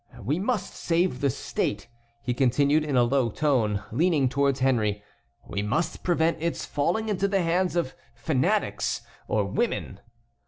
"We must save the state," he continued in a low tone, leaning towards Henry. "We must prevent its falling into the hands of fanatics or women."